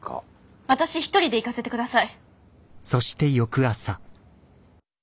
私一人で行かせて下さい。